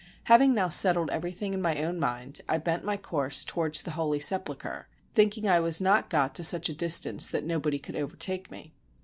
Having now settled everything in my own mind, I bent my course towards the Holy Sepulcher, thinking I was not got to such a distance that nobody could overtake me.